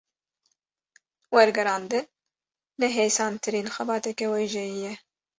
Wergerandin, ne hêsantirîn xebateke wêjeyî ye